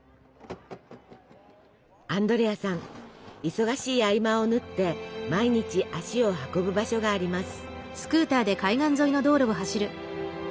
忙しい合間を縫って毎日足を運ぶ場所があります。